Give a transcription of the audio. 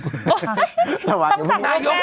ต้องสั่งแม่แม่เดี๋ยวนะ